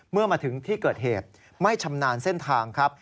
เมื่อมาถึงที่เกิดเหตุไม่ชำนาญเส้นทางครับ